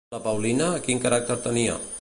La Paulina, quin caràcter tenia?